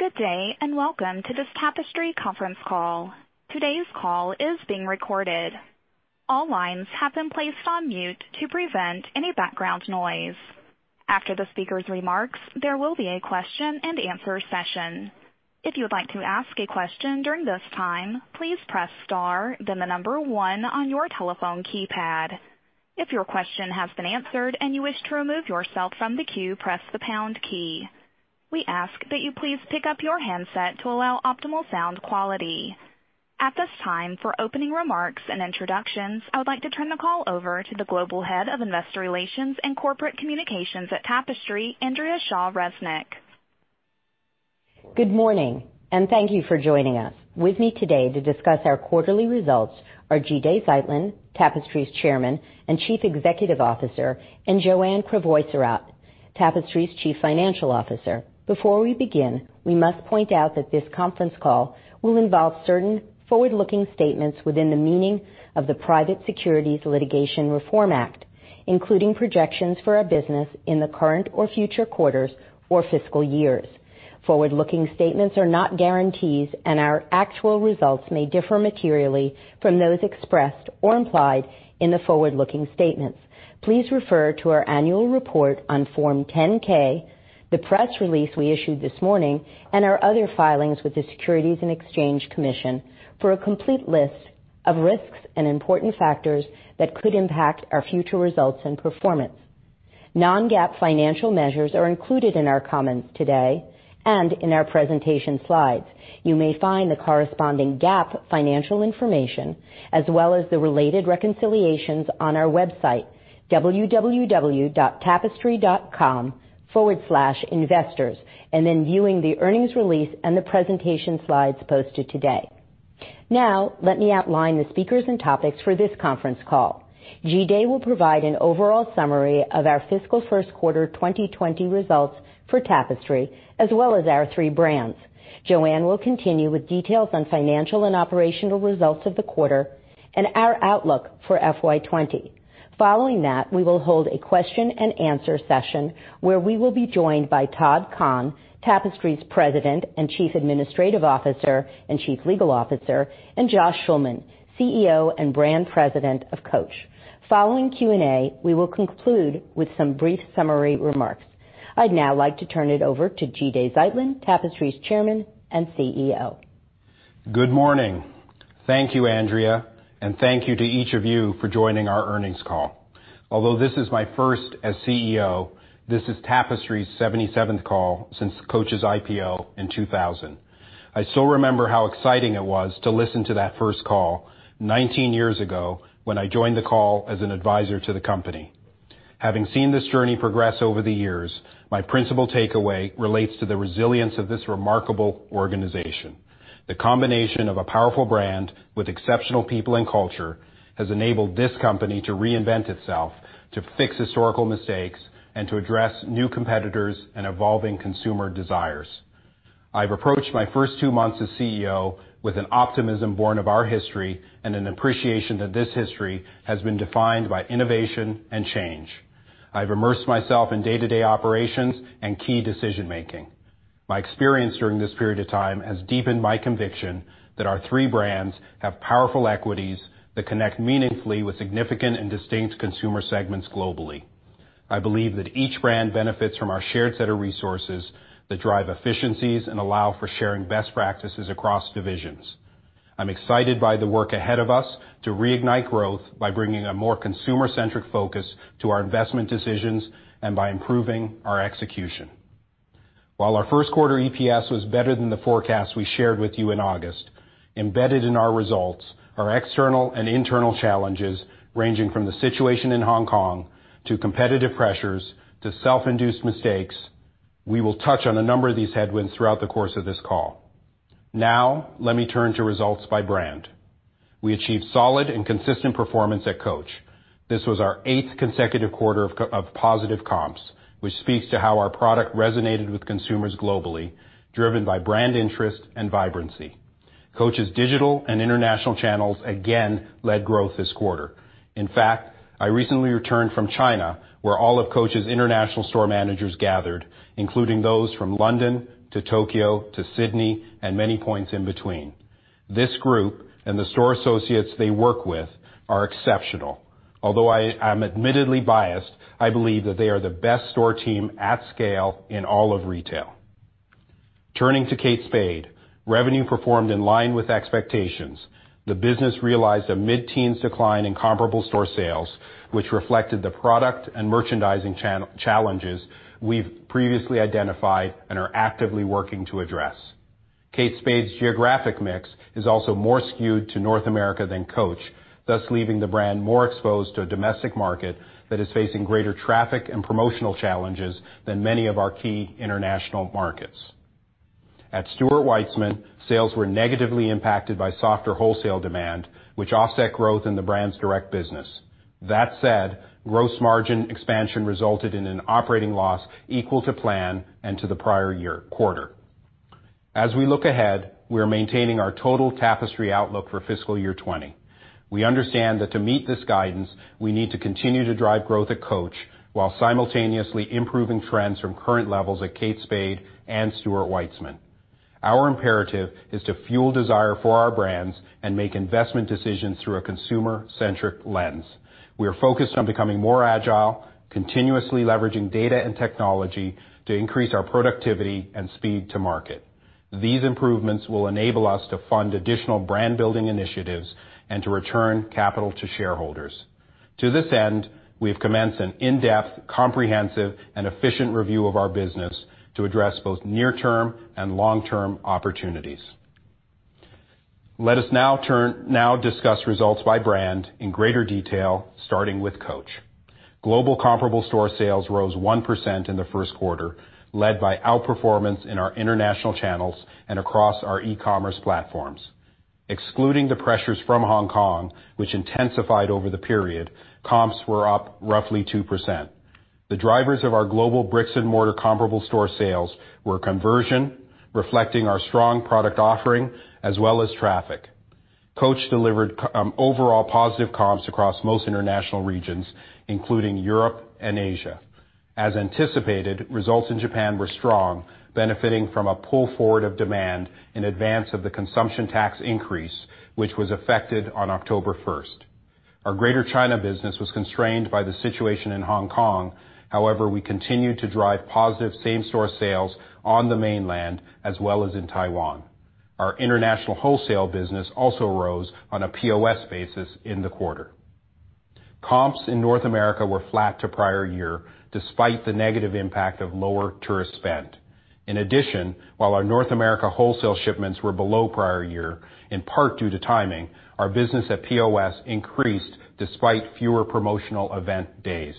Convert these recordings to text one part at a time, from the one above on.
Good day, welcome to this Tapestry conference call. Today's call is being recorded. All lines have been placed on mute to prevent any background noise. After the speakers' remarks, there will be a question and answer session. If you would like to ask a question during this time, please press star, then the number 1 on your telephone keypad. If your question has been answered and you wish to remove yourself from the queue, press the pound key. We ask that you please pick up your handset to allow optimal sound quality. At this time, for opening remarks and introductions, I would like to turn the call over to the Global Head of Investor Relations and Corporate Communications at Tapestry, Andrea Shaw Resnick. Good morning, and thank you for joining us. With me today to discuss our quarterly results are Jide Zeitlin, Tapestry's Chairman and Chief Executive Officer, and Joanne Crevoiserat, Tapestry's Chief Financial Officer. Before we begin, we must point out that this conference call will involve certain forward-looking statements within the meaning of the Private Securities Litigation Reform Act, including projections for our business in the current or future quarters or fiscal years. Forward-looking statements are not guarantees, and our actual results may differ materially from those expressed or implied in the forward-looking statements. Please refer to our annual report on Form 10-K, the press release we issued this morning, and our other filings with the Securities and Exchange Commission for a complete list of risks and important factors that could impact our future results and performance. Non-GAAP financial measures are included in our comments today and in our presentation slides. You may find the corresponding GAAP financial information, as well as the related reconciliations on our website, www.tapestry.com/investors, and then viewing the earnings release and the presentation slides posted today. Let me outline the speakers and topics for this conference call. Jide will provide an overall summary of our fiscal first quarter 2020 results for Tapestry, as well as our three brands. Joanne will continue with details on financial and operational results of the quarter and our outlook for FY 2020. Following that, we will hold a question and answer session where we will be joined by Todd Kahn, Tapestry's President and Chief Administrative Officer and Chief Legal Officer, and Joshua Schulman, CEO and Brand President of Coach. Following Q&A, we will conclude with some brief summary remarks. I'd now like to turn it over to Jide Zeitlin, Tapestry's Chairman and CEO. Good morning. Thank you, Andrea, and thank you to each of you for joining our earnings call. Although this is my first as CEO, this is Tapestry's 77th call since Coach's IPO in 2000. I still remember how exciting it was to listen to that first call 19 years ago when I joined the call as an advisor to the company. Having seen this journey progress over the years, my principal takeaway relates to the resilience of this remarkable organization. The combination of a powerful brand with exceptional people and culture has enabled this company to reinvent itself, to fix historical mistakes, and to address new competitors and evolving consumer desires. I've approached my first two months as CEO with an optimism born of our history and an appreciation that this history has been defined by innovation and change. I've immersed myself in day-to-day operations and key decision-making. My experience during this period of time has deepened my conviction that our three brands have powerful equities that connect meaningfully with significant and distinct consumer segments globally. I believe that each brand benefits from our shared set of resources that drive efficiencies and allow for sharing best practices across divisions. I'm excited by the work ahead of us to reignite growth by bringing a more consumer-centric focus to our investment decisions and by improving our execution. While our first quarter EPS was better than the forecast we shared with you in August, embedded in our results are external and internal challenges, ranging from the situation in Hong Kong to competitive pressures to self-induced mistakes. We will touch on a number of these headwinds throughout the course of this call. Let me turn to results by brand. We achieved solid and consistent performance at Coach. This was our eighth consecutive quarter of positive comps, which speaks to how our product resonated with consumers globally, driven by brand interest and vibrancy. Coach's digital and international channels again led growth this quarter. In fact, I recently returned from China, where all of Coach's international store managers gathered, including those from London to Tokyo to Sydney and many points in between. This group and the store associates they work with are exceptional. Although I am admittedly biased, I believe that they are the best store team at scale in all of retail. Turning to Kate Spade, revenue performed in line with expectations. The business realized a mid-teens decline in comparable store sales, which reflected the product and merchandising challenges we've previously identified and are actively working to address. Kate Spade's geographic mix is also more skewed to North America than Coach, thus leaving the brand more exposed to a domestic market that is facing greater traffic and promotional challenges than many of our key international markets. At Stuart Weitzman, sales were negatively impacted by softer wholesale demand, which offset growth in the brand's direct business. That said, gross margin expansion resulted in an operating loss equal to plan and to the prior year quarter. As we look ahead, we are maintaining our total Tapestry outlook for fiscal year 2020. We understand that to meet this guidance, we need to continue to drive growth at Coach, while simultaneously improving trends from current levels at Kate Spade and Stuart Weitzman. Our imperative is to fuel desire for our brands and make investment decisions through a consumer-centric lens. We are focused on becoming more agile, continuously leveraging data and technology to increase our productivity and speed to market. These improvements will enable us to fund additional brand-building initiatives and to return capital to shareholders. To this end, we have commenced an in-depth, comprehensive, and efficient review of our business to address both near-term and long-term opportunities. Let us now discuss results by brand in greater detail, starting with Coach. Global comparable store sales rose 1% in the first quarter, led by outperformance in our international channels and across our e-commerce platforms. Excluding the pressures from Hong Kong, which intensified over the period, comps were up roughly 2%. The drivers of our global bricks and mortar comparable store sales were conversion, reflecting our strong product offering as well as traffic. Coach delivered overall positive comps across most international regions, including Europe and Asia. As anticipated, results in Japan were strong, benefiting from a pull forward of demand in advance of the consumption tax increase, which was affected on October 1st. Our Greater China business was constrained by the situation in Hong Kong. However, we continued to drive positive same store sales on the mainland as well as in Taiwan. Our international wholesale business also rose on a POS basis in the quarter. Comps in North America were flat to prior year, despite the negative impact of lower tourist spend. In addition, while our North America wholesale shipments were below prior year, in part due to timing, our business at POS increased despite fewer promotional event days.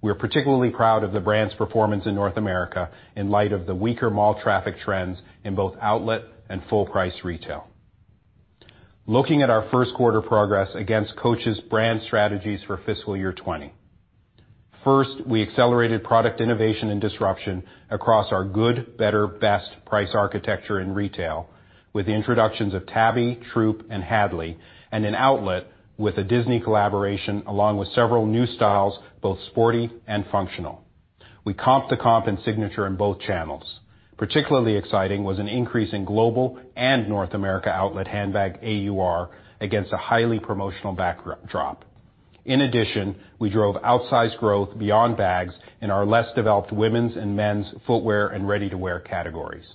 We are particularly proud of the brand's performance in North America in light of the weaker mall traffic trends in both outlet and full-price retail. Looking at our first quarter progress against Coach's brand strategies for fiscal year 2020. First, we accelerated product innovation and disruption across our good, better, best price architecture in retail with the introductions of Tabby, Troop, and Hadley, and in outlet with a Disney collaboration, along with several new styles, both sporty and functional. We comped the comp in Signature in both channels. Particularly exciting was an increase in global and North America outlet handbag AUR against a highly promotional backdrop. We drove outsized growth beyond bags in our less developed women's and men's footwear and ready-to-wear categories.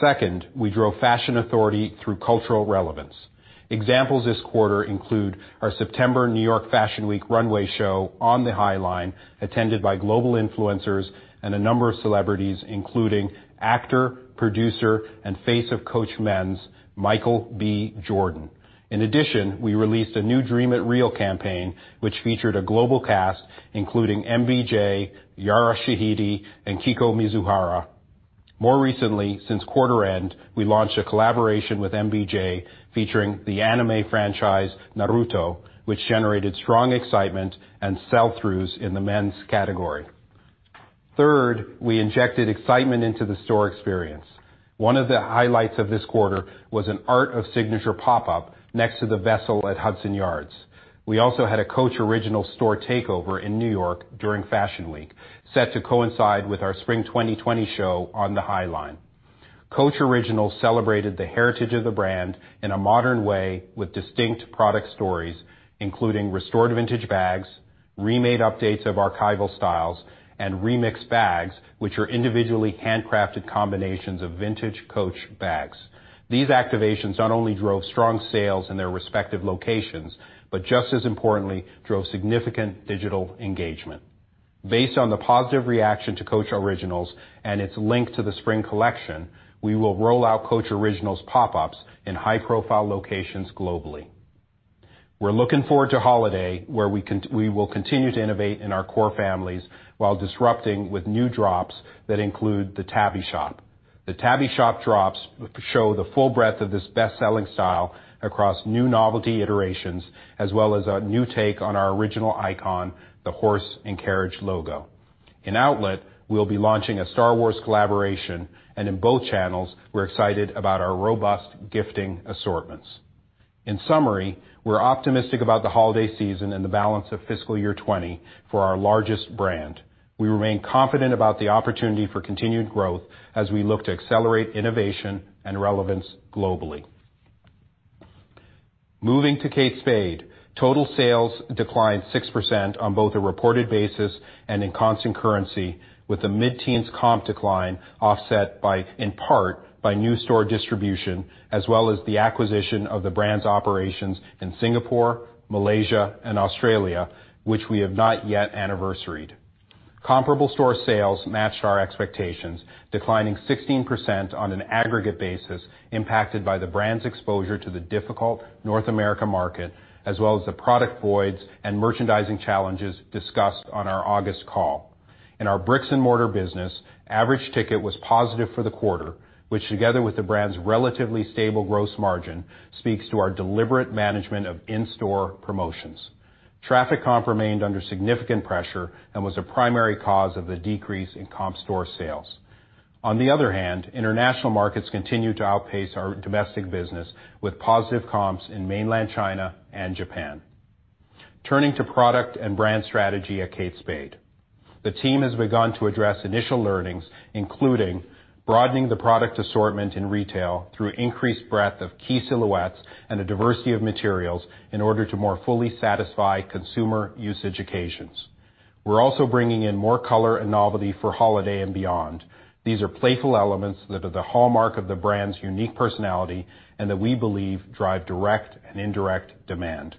Second, we drove fashion authority through cultural relevance. Examples this quarter include our September New York Fashion Week runway show on the High Line, attended by global influencers and a number of celebrities, including actor, producer, and face of Coach Men's, Michael B. Jordan. In addition, we released a new Dream It Real campaign, which featured a global cast including MBJ, Yara Shahidi, and Kiko Mizuhara. More recently, since quarter end, we launched a collaboration with MBJ featuring the anime franchise Naruto, which generated strong excitement and sell-throughs in the men's category. Third, we injected excitement into the store experience. One of the highlights of this quarter was an Art of Signature pop-up next to the Vessel at Hudson Yards. We also had a Coach Originals store takeover in New York during Fashion Week, set to coincide with our spring 2020 show on the High Line. Coach Originals celebrated the heritage of the brand in a modern way with distinct product stories, including restored vintage bags, remade updates of archival styles, and remixed bags, which are individually handcrafted combinations of vintage Coach bags. These activations not only drove strong sales in their respective locations, but just as importantly, drove significant digital engagement. Based on the positive reaction to Coach Originals and its link to the spring collection, we will roll out Coach Originals pop-ups in high-profile locations globally. We're looking forward to holiday, where we will continue to innovate in our core families, while disrupting with new drops that include the Tabby Shop. The Tabby Shop drops show the full breadth of this best-selling style across new novelty iterations, as well as a new take on our original icon, the horse and carriage logo. In outlet, we'll be launching a Star Wars collaboration, and in both channels, we're excited about our robust gifting assortments. In summary, we're optimistic about the holiday season and the balance of FY 2020 for our largest brand. We remain confident about the opportunity for continued growth as we look to accelerate innovation and relevance globally. Moving to Kate Spade, total sales declined 6% on both a reported basis and in constant currency, with a mid-teens comp decline offset, in part, by new store distribution, as well as the acquisition of the brand's operations in Singapore, Malaysia, and Australia, which we have not yet anniversaried. Comparable store sales matched our expectations, declining 16% on an aggregate basis, impacted by the brand's exposure to the difficult North America market, as well as the product voids and merchandising challenges discussed on our August call. In our bricks and mortar business, average ticket was positive for the quarter, which together with the brand's relatively stable gross margin, speaks to our deliberate management of in-store promotions. Traffic comp remained under significant pressure and was a primary cause of the decrease in comp store sales. On the other hand, international markets continue to outpace our domestic business with positive comps in mainland China and Japan. Turning to product and brand strategy at Kate Spade. The team has begun to address initial learnings, including broadening the product assortment in retail through increased breadth of key silhouettes and a diversity of materials in order to more fully satisfy consumer usage occasions. We're also bringing in more color and novelty for holiday and beyond. These are playful elements that are the hallmark of the brand's unique personality and that we believe drive direct and indirect demand.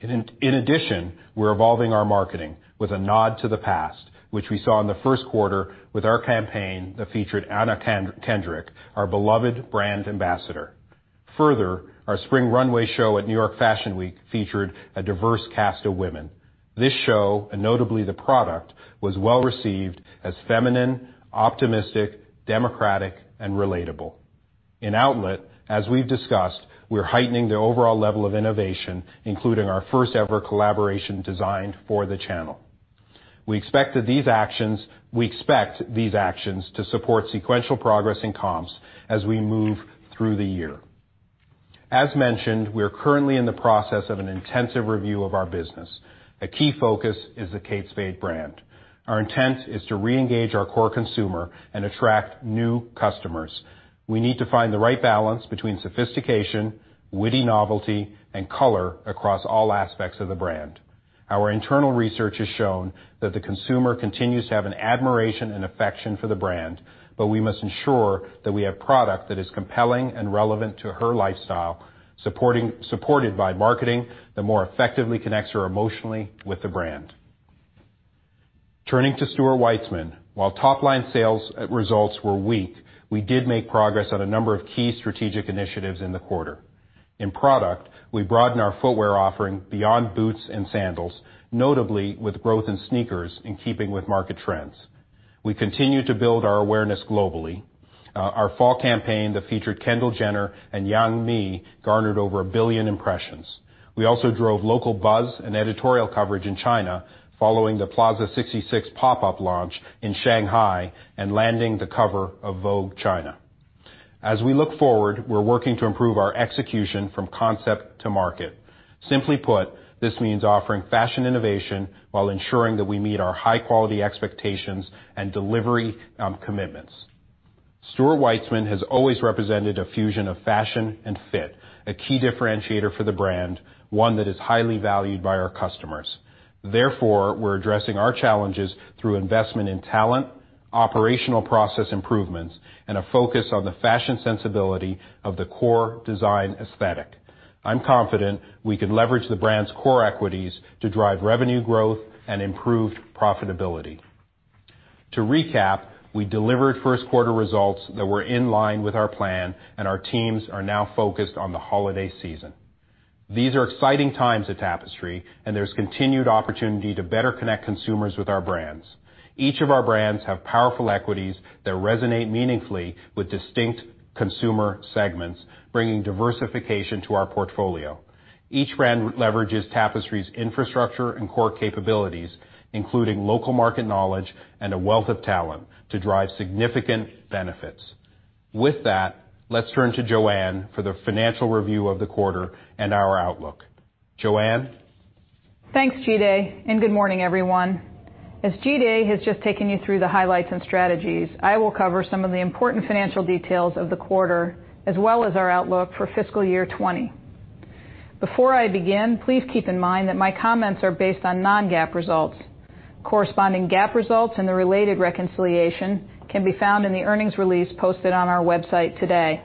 In addition, we're evolving our marketing with a nod to the past, which we saw in the first quarter with our campaign that featured Anna Kendrick, our beloved brand ambassador. Further, our spring runway show at New York Fashion Week featured a diverse cast of women. This show, and notably the product, was well received as feminine, optimistic, democratic, and relatable. In outlet, as we've discussed, we're heightening the overall level of innovation, including our first-ever collaboration designed for the channel. We expect these actions to support sequential progress in comps as we move through the year. As mentioned, we are currently in the process of an intensive review of our business. A key focus is the Kate Spade brand. Our intent is to reengage our core consumer and attract new customers. We need to find the right balance between sophistication, witty novelty, and color across all aspects of the brand. Our internal research has shown that the consumer continues to have an admiration and affection for the brand, but we must ensure that we have product that is compelling and relevant to her lifestyle, supported by marketing that more effectively connects her emotionally with the brand. Turning to Stuart Weitzman. While top-line sales results were weak, we did make progress on a number of key strategic initiatives in the quarter. In product, we broadened our footwear offering beyond boots and sandals, notably with growth in sneakers in keeping with market trends. We continue to build our awareness globally. Our fall campaign that featured Kendall Jenner and Yang Mi garnered over a billion impressions. We also drove local buzz and editorial coverage in China following the Plaza 66 pop-up launch in Shanghai and landing the cover of Vogue China. As we look forward, we're working to improve our execution from concept to market. Simply put, this means offering fashion innovation while ensuring that we meet our high-quality expectations and delivery commitments. Stuart Weitzman has always represented a fusion of fashion and fit, a key differentiator for the brand, one that is highly valued by our customers. Therefore, we're addressing our challenges through investment in talent, operational process improvements, and a focus on the fashion sensibility of the core design aesthetic. I'm confident we can leverage the brand's core equities to drive revenue growth and improve profitability. To recap, we delivered first quarter results that were in line with our plan, and our teams are now focused on the holiday season. These are exciting times at Tapestry, and there's continued opportunity to better connect consumers with our brands. Each of our brands have powerful equities that resonate meaningfully with distinct consumer segments, bringing diversification to our portfolio. Each brand leverages Tapestry's infrastructure and core capabilities, including local market knowledge and a wealth of talent to drive significant benefits. With that, let's turn to Joanne for the financial review of the quarter and our outlook. Joanne? Thanks, Jide, Good morning, everyone. As Jide has just taken you through the highlights and strategies, I will cover some of the important financial details of the quarter, as well as our outlook for fiscal year 2020. Before I begin, please keep in mind that my comments are based on non-GAAP results. Corresponding GAAP results and the related reconciliation can be found in the earnings release posted on our website today.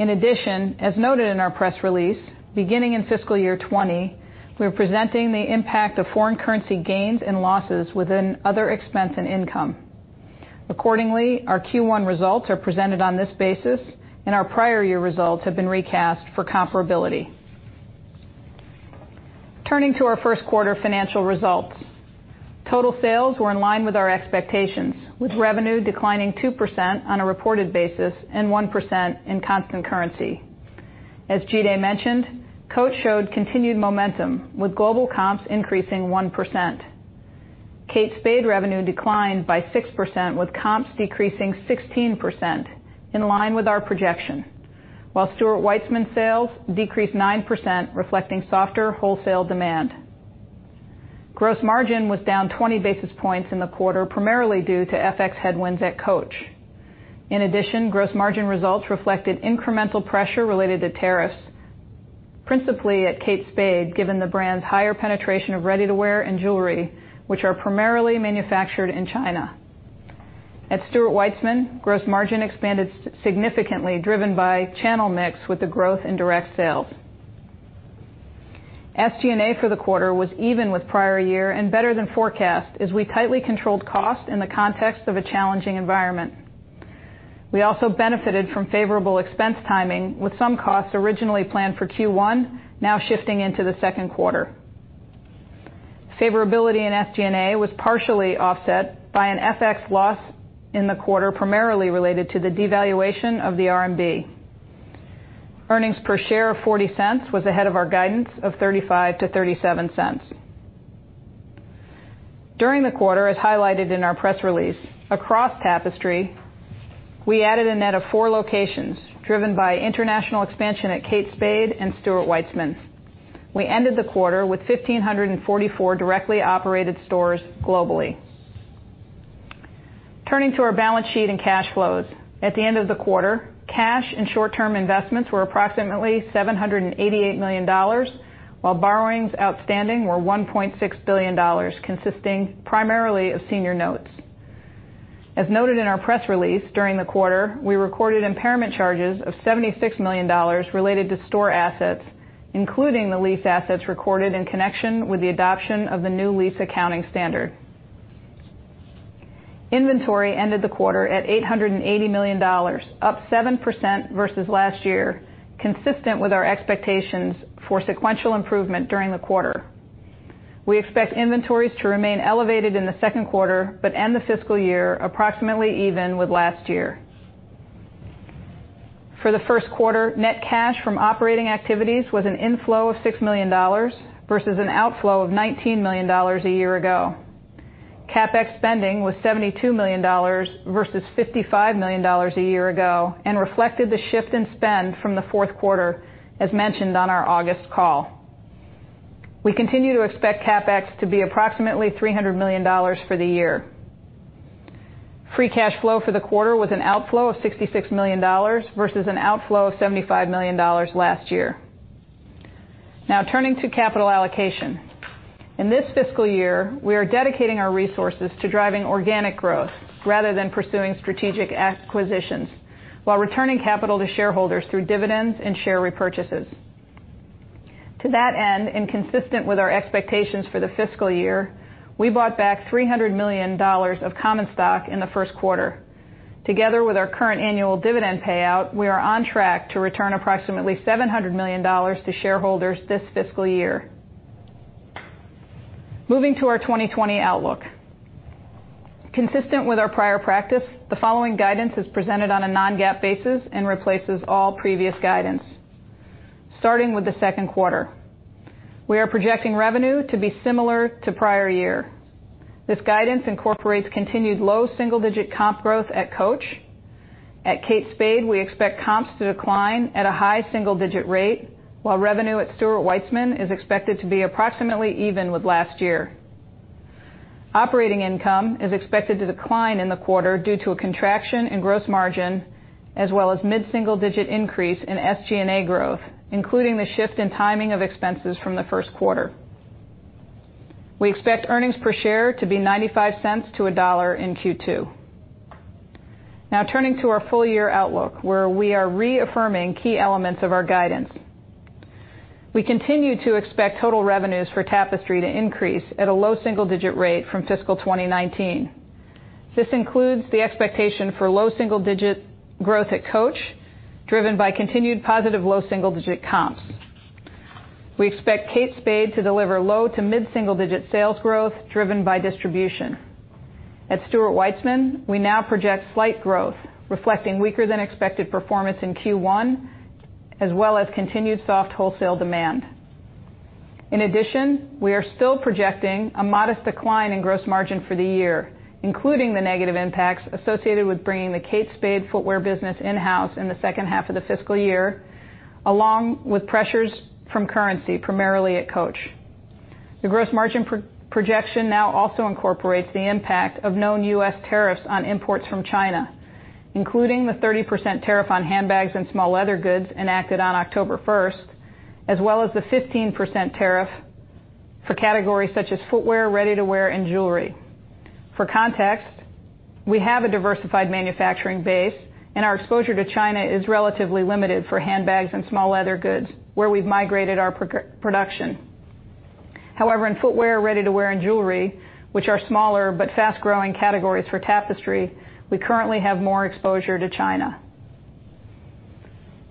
In addition, as noted in our press release, beginning in fiscal year 2020, we're presenting the impact of foreign currency gains and losses within other expense and income. Accordingly, our Q1 results are presented on this basis, and our prior year results have been recast for comparability. Turning to our first quarter financial results. Total sales were in line with our expectations, with revenue declining 2% on a reported basis and 1% in constant currency. As Jide mentioned, Coach showed continued momentum, with global comps increasing 1%. Kate Spade revenue declined by 6%, with comps decreasing 16%, in line with our projection. While Stuart Weitzman sales decreased 9%, reflecting softer wholesale demand. Gross margin was down 20 basis points in the quarter, primarily due to FX headwinds at Coach. In addition, gross margin results reflected incremental pressure related to tariffs, principally at Kate Spade, given the brand's higher penetration of ready-to-wear and jewelry, which are primarily manufactured in China. At Stuart Weitzman, gross margin expanded significantly, driven by channel mix with the growth in direct sales. SG&A for the quarter was even with prior year and better than forecast as we tightly controlled cost in the context of a challenging environment. We also benefited from favorable expense timing, with some costs originally planned for Q1 now shifting into the second quarter. Favorability in SGA was partially offset by an FX loss in the quarter, primarily related to the devaluation of the RMB. Earnings per share of $0.40 was ahead of our guidance of $0.35-$0.37. During the quarter, as highlighted in our press release, across Tapestry, we added a net of four locations driven by international expansion at Kate Spade and Stuart Weitzman. We ended the quarter with 1,544 directly operated stores globally. Turning to our balance sheet and cash flows. At the end of the quarter, cash and short-term investments were approximately $788 million, while borrowings outstanding were $1.6 billion, consisting primarily of senior notes. As noted in our press release, during the quarter, we recorded impairment charges of $76 million related to store assets, including the lease assets recorded in connection with the adoption of the new lease accounting standard. Inventory ended the quarter at $880 million, up 7% versus last year, consistent with our expectations for sequential improvement during the quarter. We expect inventories to remain elevated in the second quarter but end the fiscal year approximately even with last year. For the first quarter, net cash from operating activities was an inflow of $6 million versus an outflow of $19 million a year ago. CapEx spending was $72 million versus $55 million a year ago and reflected the shift in spend from the fourth quarter as mentioned on our August call. We continue to expect CapEx to be approximately $300 million for the year. Free cash flow for the quarter was an outflow of $66 million versus an outflow of $75 million last year. Turning to capital allocation. In this fiscal year, we are dedicating our resources to driving organic growth rather than pursuing strategic acquisitions while returning capital to shareholders through dividends and share repurchases. Consistent with our expectations for the fiscal year, we bought back $300 million of common stock in the first quarter. Together with our current annual dividend payout, we are on track to return approximately $700 million to shareholders this fiscal year. Moving to our 2020 outlook. Consistent with our prior practice, the following guidance is presented on a non-GAAP basis and replaces all previous guidance. Starting with the second quarter. We are projecting revenue to be similar to prior year. This guidance incorporates continued low single-digit comp growth at Coach. At Kate Spade, we expect comps to decline at a high single-digit rate, while revenue at Stuart Weitzman is expected to be approximately even with last year. Operating income is expected to decline in the quarter due to a contraction in gross margin, as well as mid-single-digit increase in SG&A growth, including the shift in timing of expenses from the first quarter. We expect earnings per share to be $0.95 to $1.00 in Q2. Now turning to our full year outlook, where we are reaffirming key elements of our guidance. We continue to expect total revenues for Tapestry to increase at a low single-digit rate from fiscal 2019. This includes the expectation for low single-digit growth at Coach, driven by continued positive low single-digit comps. We expect Kate Spade to deliver low to mid single-digit sales growth driven by distribution. At Stuart Weitzman, we now project slight growth, reflecting weaker than expected performance in Q1, as well as continued soft wholesale demand. We are still projecting a modest decline in gross margin for the year, including the negative impacts associated with bringing the Kate Spade footwear business in-house in the second half of the fiscal year, along with pressures from currency, primarily at Coach. The gross margin projection now also incorporates the impact of known U.S. tariffs on imports from China, including the 30% tariff on handbags and small leather goods enacted on October 1st, as well as the 15% tariff for categories such as footwear, ready-to-wear, and jewelry. We have a diversified manufacturing base, and our exposure to China is relatively limited for handbags and small leather goods, where we've migrated our production. In footwear, ready-to-wear, and jewelry, which are smaller but fast-growing categories for Tapestry, we currently have more exposure to China.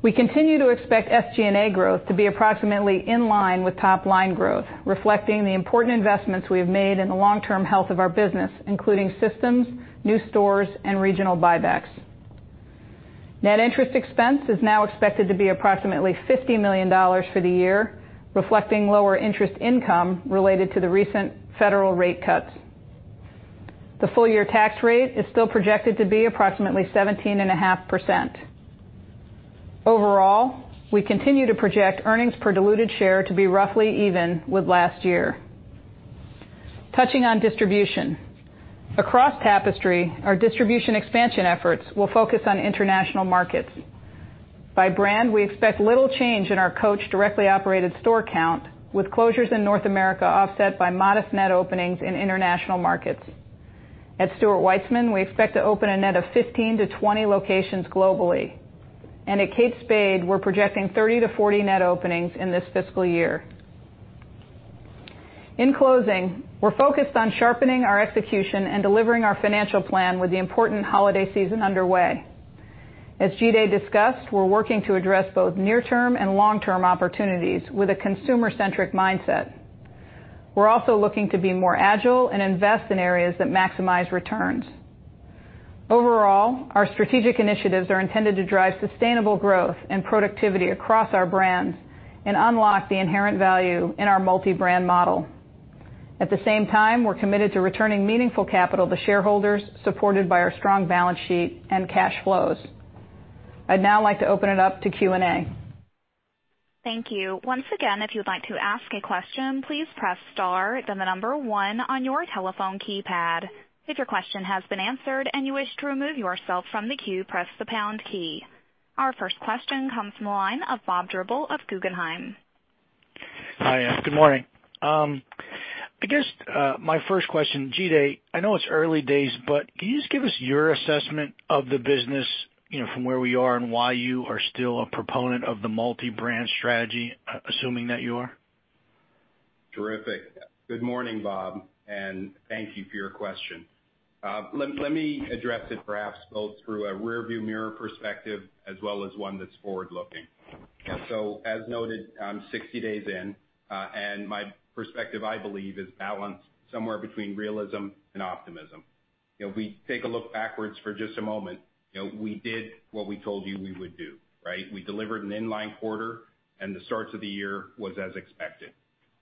We continue to expect SGA growth to be approximately in line with top-line growth, reflecting the important investments we have made in the long-term health of our business, including systems, new stores, and regional buybacks. Net interest expense is now expected to be approximately $50 million for the year, reflecting lower interest income related to the recent federal rate cuts. The full-year tax rate is still projected to be approximately 17.5%. Overall, we continue to project earnings per diluted share to be roughly even with last year. Touching on distribution. Across Tapestry, our distribution expansion efforts will focus on international markets. By brand, we expect little change in our Coach directly operated store count, with closures in North America offset by modest net openings in international markets. At Stuart Weitzman, we expect to open a net of 15-20 locations globally. At Kate Spade, we're projecting 30-40 net openings in this fiscal year. In closing, we're focused on sharpening our execution and delivering our financial plan with the important holiday season underway. As Jide discussed, we're working to address both near-term and long-term opportunities with a consumer-centric mindset. We're also looking to be more agile and invest in areas that maximize returns. Overall, our strategic initiatives are intended to drive sustainable growth and productivity across our brands and unlock the inherent value in our multi-brand model. At the same time, we're committed to returning meaningful capital to shareholders, supported by our strong balance sheet and cash flows. I'd now like to open it up to Q&A. Thank you. Once again, if you'd like to ask a question, please press star, the number one on your telephone keypad. If your question has been answered and you wish to remove yourself from the queue, press the pound key. Our first question comes from the line of Bob Drbul of Guggenheim. Hi. Good morning. I guess, my first question, Jide, I know it's early days, but can you just give us your assessment of the business, from where we are and why you are still a proponent of the multi-brand strategy, assuming that you are? Terrific. Good morning, Bob, thank you for your question. Let me address it perhaps both through a rear view mirror perspective as well as one that's forward-looking. As noted, I'm 60 days in, and my perspective, I believe, is balanced somewhere between realism and optimism. If we take a look backwards for just a moment, we did what we told you we would do, right? We delivered an in-line quarter, and the starts of the year was as expected.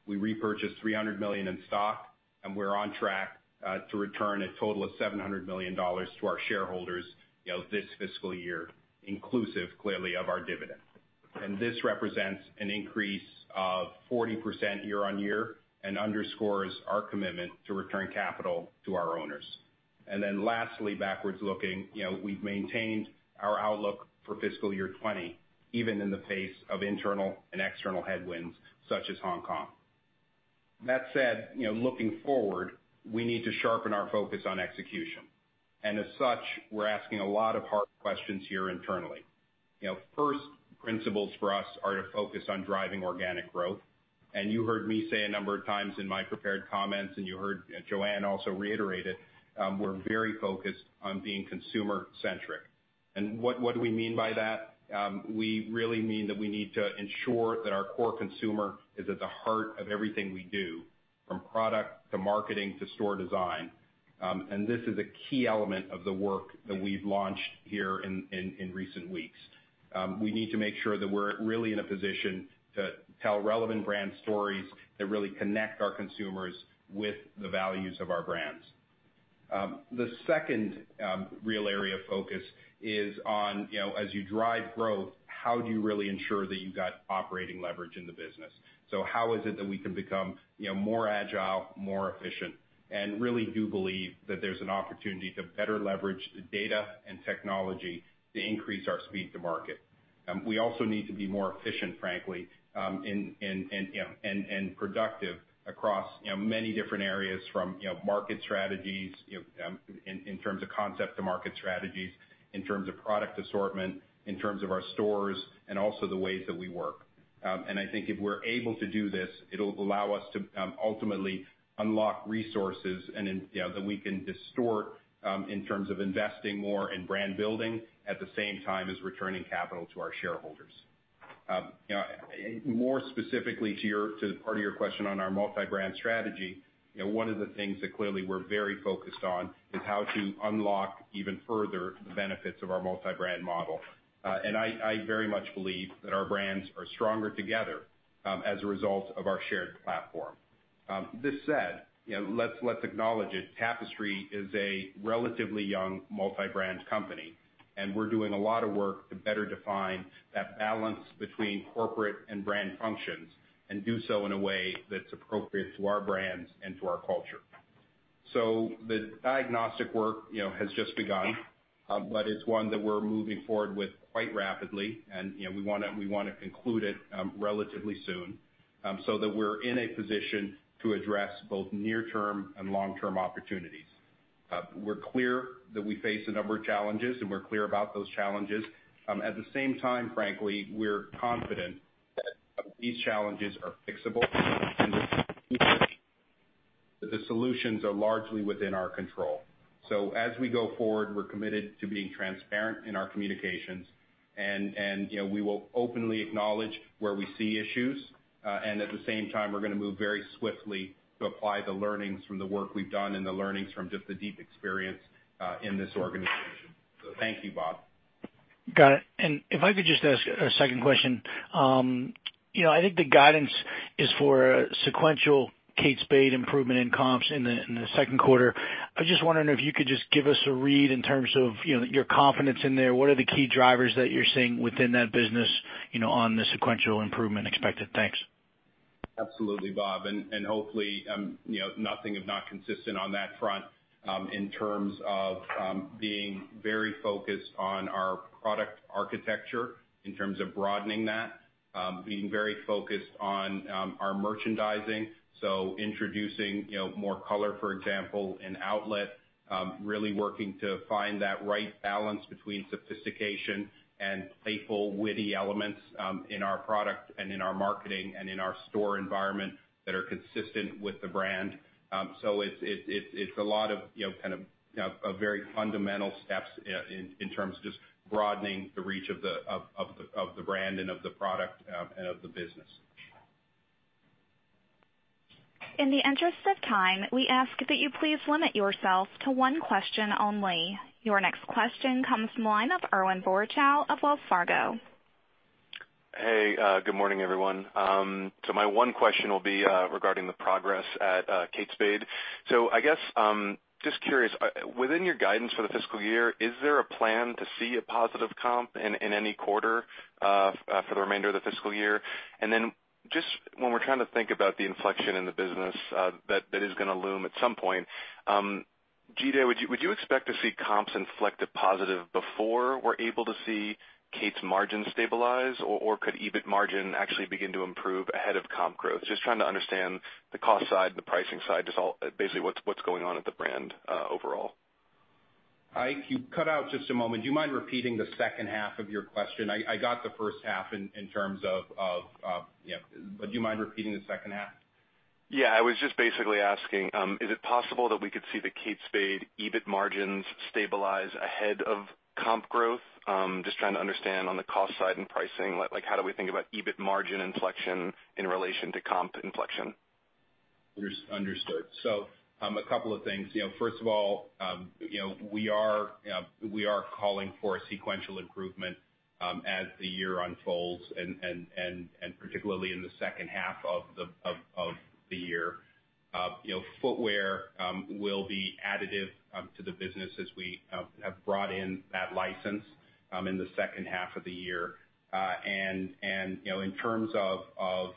We repurchased $300 million in stock, and we're on track to return a total of $700 million to our shareholders this fiscal year, inclusive, clearly, of our dividend. This represents an increase of 40% year-on-year and underscores our commitment to return capital to our owners. Lastly, backwards looking, we've maintained our outlook for fiscal year 20, even in the face of internal and external headwinds such as Hong Kong. That said, looking forward, we need to sharpen our focus on execution. As such, we're asking a lot of hard questions here internally. First principles for us are to focus on driving organic growth. You heard me say a number of times in my prepared comments, and you heard Joanne also reiterate it, we're very focused on being consumer centric. What do we mean by that? We really mean that we need to ensure that our core consumer is at the heart of everything we do, from product to marketing to store design. This is a key element of the work that we've launched here in recent weeks. We need to make sure that we're really in a position to tell relevant brand stories that really connect our consumers with the values of our brands. The second real area of focus is on, as you drive growth, how do you really ensure that you got operating leverage in the business? How is it that we can become more agile, more efficient, and really do believe that there's an opportunity to better leverage the data and technology to increase our speed to market. We also need to be more efficient, frankly, and productive across many different areas from market strategies in terms of concept to market strategies, in terms of product assortment, in terms of our stores, and also the ways that we work. I think if we're able to do this, it'll allow us to ultimately unlock resources that we can distort in terms of investing more in brand building at the same time as returning capital to our shareholders. More specifically to the part of your question on our multi-brand strategy, one of the things that clearly we're very focused on is how to unlock even further the benefits of our multi-brand model. I very much believe that our brands are stronger together as a result of our shared platform. This said, let's acknowledge it. Tapestry is a relatively young multi-brand company, and we're doing a lot of work to better define that balance between corporate and brand functions and do so in a way that's appropriate to our brands and to our culture. The diagnostic work has just begun, but it's one that we're moving forward with quite rapidly, and we want to conclude it relatively soon so that we're in a position to address both near-term and long-term opportunities. We're clear that we face a number of challenges, and we're clear about those challenges. At the same time, frankly, we're confident that these challenges are fixable and that the solutions are largely within our control. As we go forward, we're committed to being transparent in our communications, and we will openly acknowledge where we see issues. At the same time, we're going to move very swiftly to apply the learnings from the work we've done and the learnings from just the deep experience in this organization. Thank you, Bob. Got it. If I could just ask a second question. I think the guidance is for sequential Kate Spade improvement in comps in the second quarter. I was just wondering if you could just give us a read in terms of your confidence in there. What are the key drivers that you're seeing within that business on the sequential improvement expected? Thanks. Absolutely, Bob. Hopefully, nothing if not consistent on that front in terms of being very focused on our product architecture, in terms of broadening that. Being very focused on our merchandising, so introducing more color, for example, in outlet. Really working to find that right balance between sophistication and playful, witty elements in our product and in our marketing and in our store environment that are consistent with the brand. It's a lot of very fundamental steps in terms of just broadening the reach of the brand and of the product and of the business. In the interest of time, we ask that you please limit yourself to one question only. Your next question comes from the line of Irwin Boruchow of Wells Fargo. My one question will be regarding the progress at Kate Spade. I guess, just curious, within your guidance for the fiscal year, is there a plan to see a positive comp in any quarter for the remainder of the fiscal year? Just when we're trying to think about the inflection in the business that is going to loom at some point, Jide, would you expect to see comps inflect a positive before we're able to see Kate's margin stabilize, or could EBIT margin actually begin to improve ahead of comp growth? Just trying to understand the cost side, the pricing side, basically what's going on at the brand overall. Ike, you cut out just a moment. Do you mind repeating the second half of your question? I got the first half. Do you mind repeating the second half? Yeah, I was just basically asking, is it possible that we could see the Kate Spade EBIT margins stabilize ahead of comp growth? Just trying to understand on the cost side and pricing, how do we think about EBIT margin inflection in relation to comp inflection? Understood. A couple of things. First of all, we are calling for a sequential improvement as the year unfolds and particularly in the second half of the year. Footwear will be additive to the business as we have brought in that license in the second half of the year. In terms of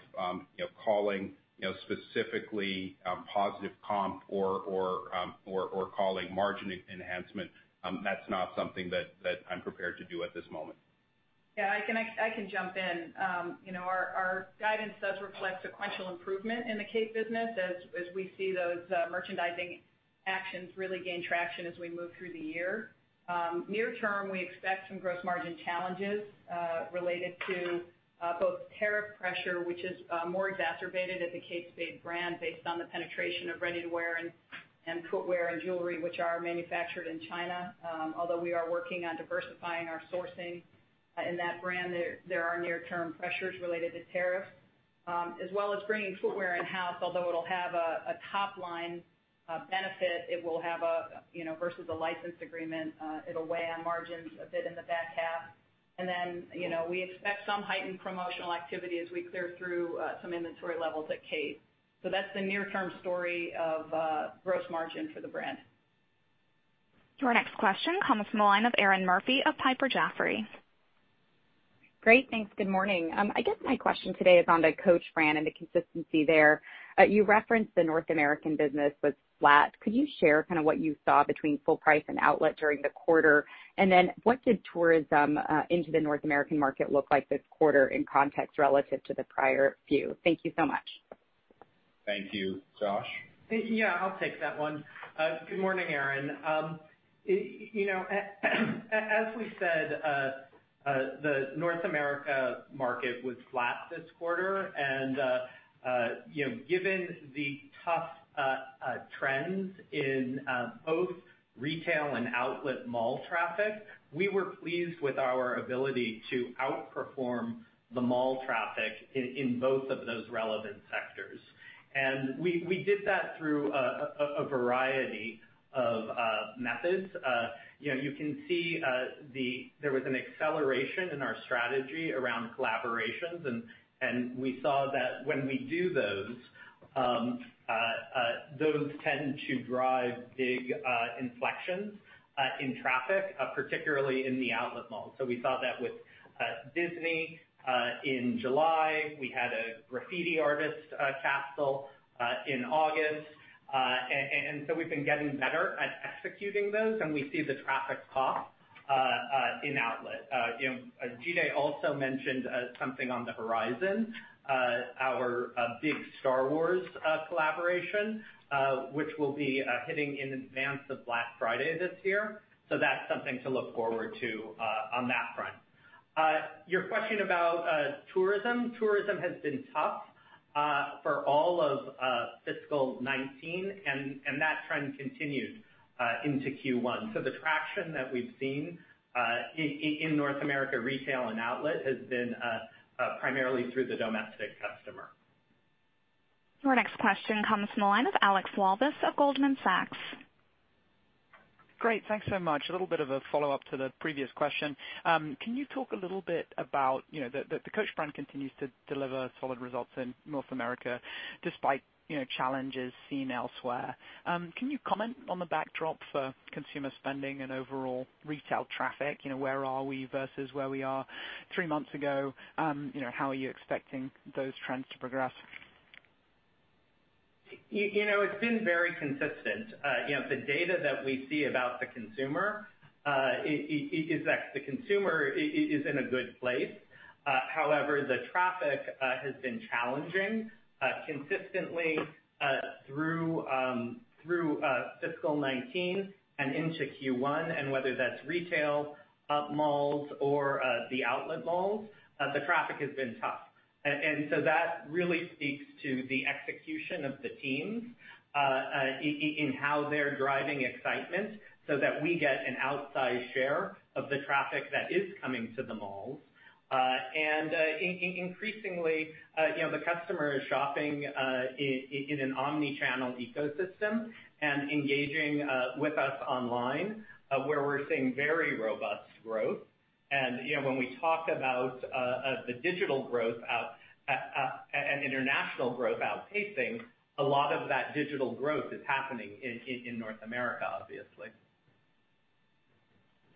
calling specifically positive comp or calling margin enhancement, that's not something that I'm prepared to do at this moment. Yeah, I can jump in. Our guidance does reflect sequential improvement in the Kate business as we see those merchandising actions really gain traction as we move through the year. Near term, we expect some gross margin challenges related to both tariff pressure, which is more exacerbated at the Kate Spade brand based on the penetration of ready-to-wear and footwear and jewelry, which are manufactured in China. We are working on diversifying our sourcing in that brand, there are near-term pressures related to tariffs. Bringing footwear in-house, although it'll have a top-line benefit, versus a license agreement, it'll weigh on margins a bit in the back half. We expect some heightened promotional activity as we clear through some inventory levels at Kate. That's the near-term story of gross margin for the brand. Your next question comes from the line of Erinn Murphy of Piper Jaffray. Great. Thanks. Good morning. I guess my question today is on the Coach brand and the consistency there. You referenced the North American business was flat. Could you share what you saw between full price and outlet during the quarter? What did tourism into the North American market look like this quarter in context relative to the prior few? Thank you so much. Thank you. Josh? Yeah, I'll take that one. Good morning, Erinn. As we said, the North America market was flat this quarter. Given the tough trends in both retail and outlet mall traffic, we were pleased with our ability to outperform the mall traffic in both of those relevant sectors. We did that through a variety of methods. You can see there was an acceleration in our strategy around collaborations, and we saw that when we do those tend to drive big inflections in traffic, particularly in the outlet malls. We saw that with Disney in July. We had a graffiti artist capsule in August. We've been getting better at executing those, and we see the traffic pop in outlet. Jide also mentioned something on the horizon, our big Star Wars collaboration, which will be hitting in advance of Black Friday this year. That's something to look forward to on that front. Your question about tourism. Tourism has been tough for all of fiscal 2019, and that trend continued into Q1. The traction that we've seen in North America retail and outlet has been primarily through the domestic customer. Your next question comes from the line of Alexandra Walvis of Goldman Sachs. Great. Thanks so much. A little bit of a follow-up to the previous question. The Coach brand continues to deliver solid results in North America despite challenges seen elsewhere. Can you comment on the backdrop for consumer spending and overall retail traffic? Where are we versus where we are three months ago? How are you expecting those trends to progress? It's been very consistent. The data that we see about the consumer is that the consumer is in a good place. However, the traffic has been challenging consistently through fiscal 2019 and into Q1, and whether that's retail malls or the outlet malls, the traffic has been tough. That really speaks to the execution of the team. In how they're driving excitement so that we get an outsized share of the traffic that is coming to the malls. Increasingly, the customer is shopping in an omni-channel ecosystem and engaging with us online, where we're seeing very robust growth. When we talk about the digital growth and international growth outpacing, a lot of that digital growth is happening in North America, obviously.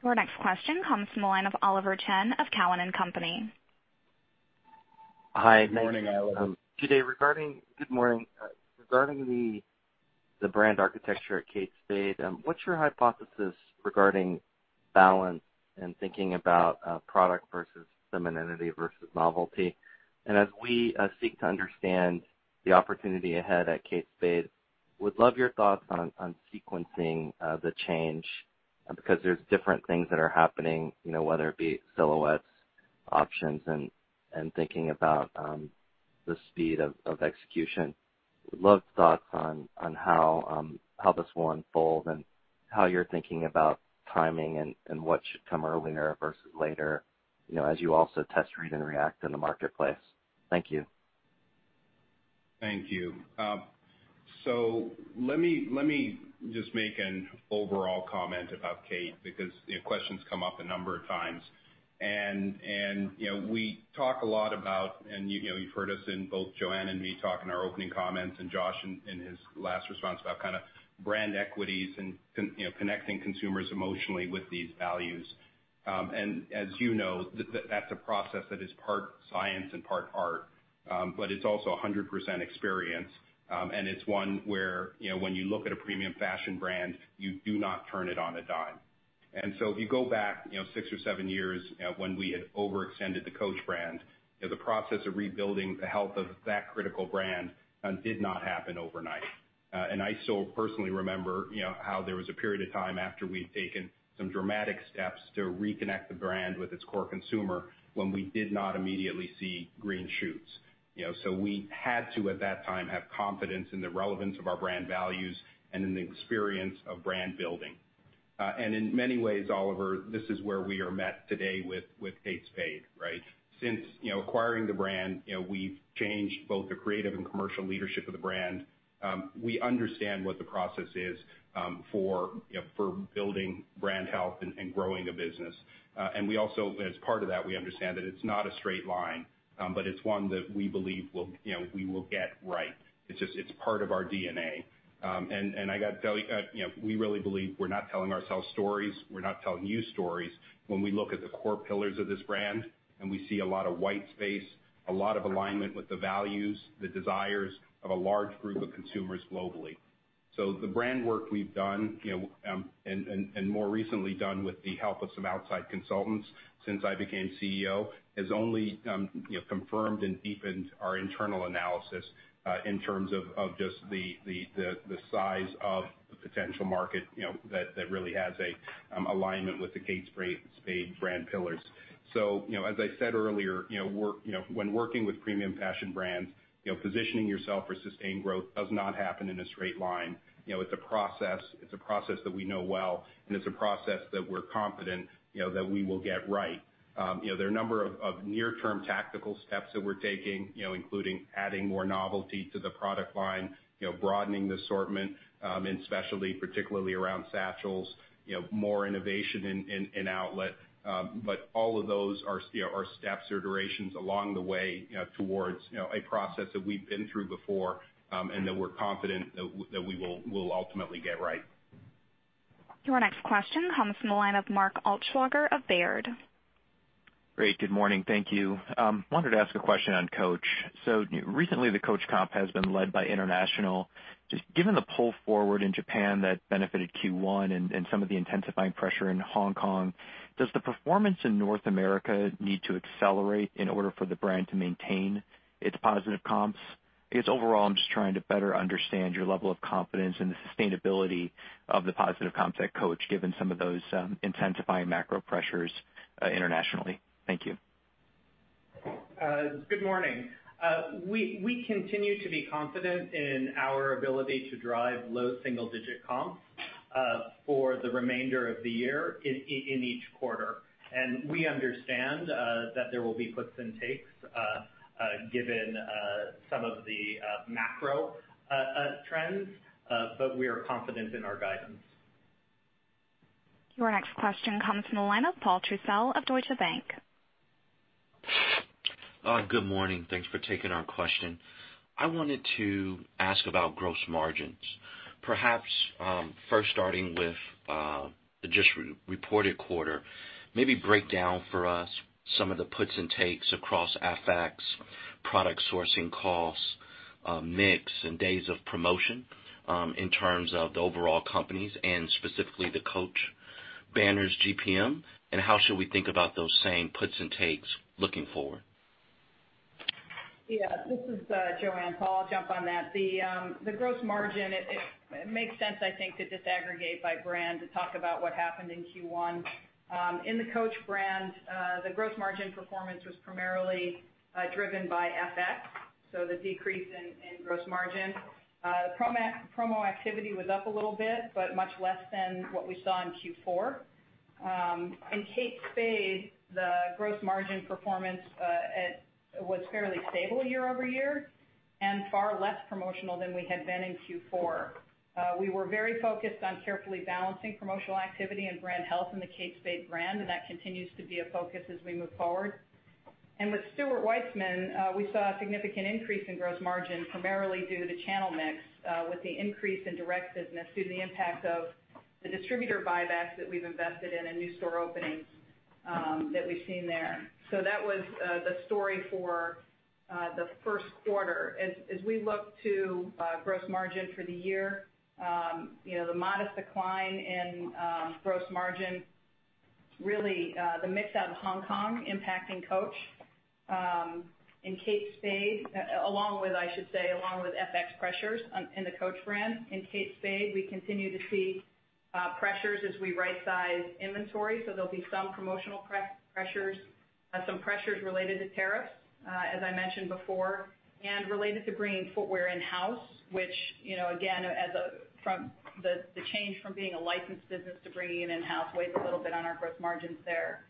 Your next question comes from the line of Oliver Chen of Cowen and Company. Hi. Morning, Oliver. Today, good morning. Regarding the brand architecture at Kate Spade, what's your hypothesis regarding balance and thinking about product versus femininity versus novelty? As we seek to understand the opportunity ahead at Kate Spade, would love your thoughts on sequencing the change, because there's different things that are happening, whether it be silhouettes, options, and thinking about the speed of execution. Would love thoughts on how this will unfold and how you're thinking about timing and what should come earlier versus later, as you also test, read, and react in the marketplace. Thank you. Thank you. Let me just make an overall comment about Kate, because questions come up a number of times. We talk a lot about, and you've heard us in both Joanne and me talk in our opening comments and Josh in his last response about brand equities and connecting consumers emotionally with these values. As you know, that's a process that is part science and part art. It's also 100% experience, and it's one where when you look at a premium fashion brand, you do not turn it on a dime. If you go back six or seven years when we had overextended the Coach brand, the process of rebuilding the health of that critical brand did not happen overnight. I still personally remember how there was a period of time after we'd taken some dramatic steps to reconnect the brand with its core consumer when we did not immediately see green shoots. We had to, at that time, have confidence in the relevance of our brand values and in the experience of brand building. In many ways, Oliver, this is where we are met today with Kate Spade, right? Since acquiring the brand, we've changed both the creative and commercial leadership of the brand. We understand what the process is for building brand health and growing a business. We also, as part of that, we understand that it's not a straight line, but it's one that we believe we will get right. It's part of our DNA. We really believe we're not telling ourselves stories. We're not telling you stories when we look at the core pillars of this brand, and we see a lot of white space, a lot of alignment with the values, the desires of a large group of consumers globally. The brand work we've done, and more recently done with the help of some outside consultants since I became CEO, has only confirmed and deepened our internal analysis in terms of just the size of the potential market that really has an alignment with the Kate Spade brand pillars. As I said earlier, when working with premium fashion brands, positioning yourself for sustained growth does not happen in a straight line. It's a process that we know well, and it's a process that we're confident that we will get right. There are a number of near-term tactical steps that we're taking, including adding more novelty to the product line, broadening the assortment, and especially particularly around satchels, more innovation in outlet. All of those are steps or durations along the way towards a process that we've been through before, and that we're confident that we will ultimately get right. Your next question comes from the line of Mark Altschwager of Baird. Great. Good morning. Thank you. Wanted to ask a question on Coach. Recently, the Coach comp has been led by international. Given the pull forward in Japan that benefited Q1 and some of the intensifying pressure in Hong Kong, does the performance in North America need to accelerate in order for the brand to maintain its positive comps? Overall, I'm just trying to better understand your level of confidence in the sustainability of the positive comps at Coach, given some of those intensifying macro pressures internationally. Thank you. Good morning. We continue to be confident in our ability to drive low single-digit comps for the remainder of the year in each quarter. We understand that there will be puts and takes given some of the macro trends, but we are confident in our guidance. Your next question comes from the line of Paul Trussell of Deutsche Bank. Good morning. Thanks for taking our question. I wanted to ask about gross margins. Perhaps first starting with the just reported quarter. Maybe break down for us some of the puts and takes across FX, product sourcing costs, mix, and days of promotion in terms of the overall companies and specifically the Coach banners GPM. How should we think about those same puts and takes looking forward? Yeah. This is Joanne. Paul, I'll jump on that. The gross margin. It makes sense, I think, to disaggregate by brand to talk about what happened in Q1. In the Coach brand, the gross margin performance was primarily driven by FX, so the decrease in gross margin. Promo activity was up a little bit, but much less than what we saw in Q4. In Kate Spade, the gross margin performance was fairly stable year-over-year, and far less promotional than we had been in Q4. We were very focused on carefully balancing promotional activity and brand health in the Kate Spade brand, and that continues to be a focus as we move forward. With Stuart Weitzman, we saw a significant increase in gross margin, primarily due to channel mix with the increase in direct business due to the impact of the distributor buybacks that we've invested in and new store openings that we've seen there. That was the story for the first quarter. As we look to gross margin for the year, the modest decline in gross margin, really the mix out of Hong Kong impacting Coach. Along with, I should say, along with FX pressures in the Coach brand. In Kate Spade, we continue to see pressures as we right-size inventory, so there'll be some promotional pressures, some pressures related to tariffs, as I mentioned before. Related to bringing footwear in-house, which again, the change from being a licensed business to bringing in in-house weighs a little bit on our gross margins there.